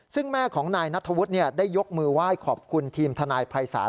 ซึ่งแม่ของนายนัทธวุฒิได้ยกมือไหว้ขอบคุณทีมทนายภัยศาล